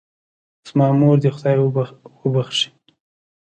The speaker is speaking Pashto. زما مور دې خدای وبښئ